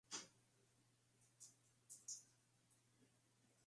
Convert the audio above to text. Diseñado por Мurат Dzhigкаyеv